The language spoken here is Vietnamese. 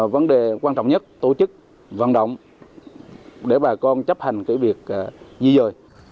vấn đề quan trọng nhất tổ chức vận động để bà con chấp hành việc di dời